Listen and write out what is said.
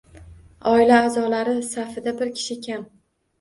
Oila aʼzolari safida bir kishi kam.